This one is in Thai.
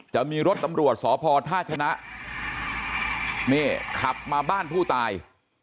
จะมีรถตำรวจสพท่าชนะนี่ขับมาบ้านผู้ตาย